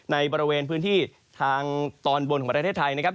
ในบริเวณพื้นที่ทางตอนบนของประเทศไทยนะครับ